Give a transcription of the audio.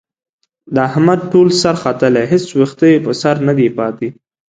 د احمد ټول سر ختلی، هېڅ وېښته یې په سر ندی پاتې.